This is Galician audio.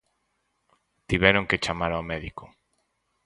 Tiveron que chamar o médico.